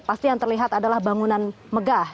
pasti yang terlihat adalah bangunan megah